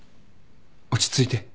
落ち着いて。